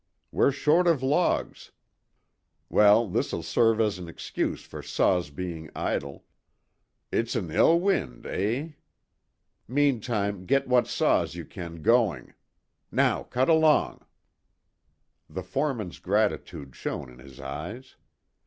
We're short of logs well, this'll serve as an excuse for saws being idle. 'It's an ill wind,' eh? Meantime, get what saws you can going. Now cut along." The foreman's gratitude shone in his eyes.